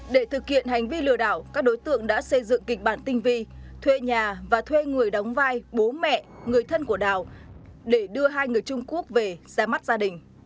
để thực hiện hành vi lừa đảo các đối tượng đã xây dựng kịch bản tinh vi thuê nhà và thuê người đóng vai bố mẹ người thân của đào để đưa hai người trung quốc về ra mắt gia đình